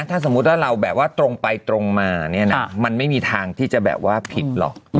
ถ้าสมมุติว่าเราแบบว่าตรงไปตรงมาเนี่ยนะมันไม่มีทางที่จะแบบว่าผิดหรอก